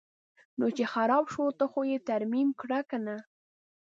نو چې خراب شو ته خو یې ترمیم کړه کنه.